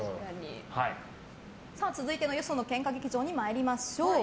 続いてのよその喧嘩劇場に参りましょう。